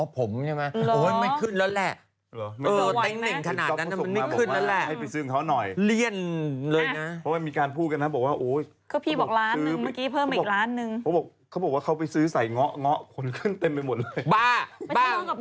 อ๋อผมใช่มะเขาไม่ขึ้นแล้วแหละ